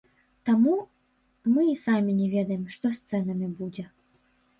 Таму мы і самі не ведаем, што з цэнамі будзе.